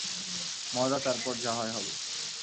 মজা তারপর যা হয় হইবে।